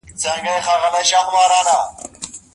موږ به سبا سهار وختي خپل کار پیل کړو.